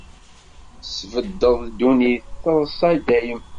Tesbeddeḍ ddunit, treṣṣa i dayem.